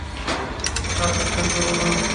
আর আশা কোরো না।